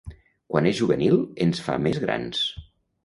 Quan és juvenil ens fa més grans.